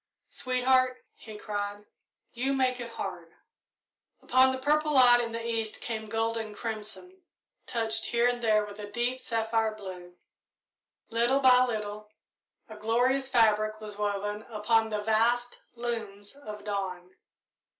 "Sweetheart," he cried, "you make it hard!" Upon the purple light in the east came gold and crimson, touched here and there with deep sapphire blue. Little by little a glorious fabric was woven upon the vast looms of dawn.